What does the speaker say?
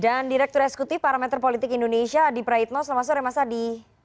dan direktur eskuti parameter politik indonesia adi praitno selamat sore mas adi